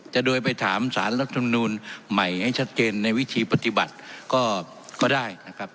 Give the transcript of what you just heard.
จะโดยไปถามสารรัฐมนูลใหม่ให้ชัดเจนในวิธีปฏิบัติก็ได้นะครับ